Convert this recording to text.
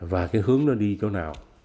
và cái hướng nó đi chỗ nào